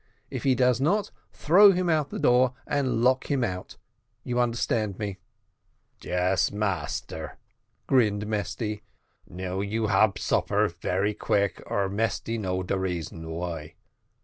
If he does not, throw him out of the door, and lock him out. You understand me." "Yes, massa," grinned Mesty; "now you hab supper very quick, or Mesty know the reason why.